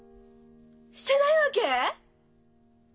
してないわけ？